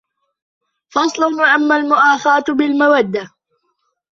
فَصْلٌ وَأَمَّا الْمُؤَاخَاةُ بِالْمَوَدَّةِ